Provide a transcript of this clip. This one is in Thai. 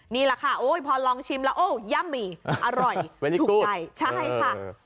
นี่แหละค่ะโอ้ยพอลองชิมแล้วโอ้ย่ำหมี่อร่อยถูกใจใช่ค่ะ